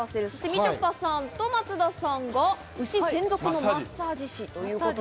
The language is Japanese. みちょぱさんと松田さんが牛専属のマッサージ師。